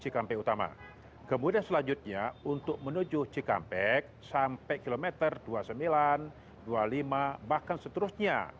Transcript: cikampek utama kemudian selanjutnya untuk menuju cikampek sampai kilometer dua puluh sembilan dua puluh lima bahkan seterusnya